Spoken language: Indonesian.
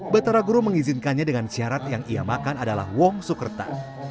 batara guru mengizinkannya dengan syarat yang ia makan adalah wong sukerta